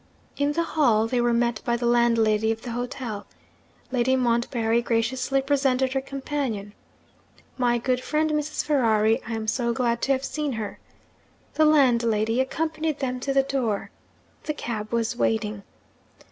In the hall they were met by the landlady of the hotel. Lady Montbarry graciously presented her companion. 'My good friend Mrs. Ferrari; I am so glad to have seen her.' The landlady accompanied them to the door. The cab was waiting.